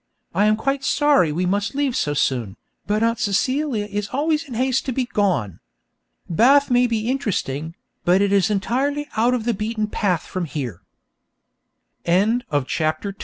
I am quite sorry we must leave so soon, but Aunt Celia is always in haste to be gone. Bath may be interesting, but it is entirely out of the beaten path from here. She Bath, June 7, The Best Ho